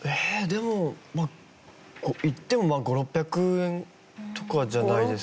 でもいっても５００６００円とかじゃないですかね。